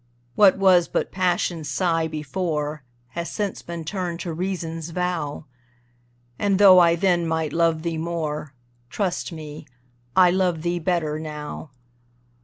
What was but Passion's sigh before, Has since been turned to Reason's vow; And, though I then might love thee more, Trust me, I love thee better now.